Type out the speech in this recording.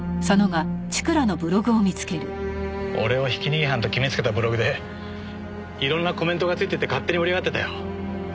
俺をひき逃げ犯と決めつけたブログで色んなコメントがついてて勝手に盛り上がってたよ。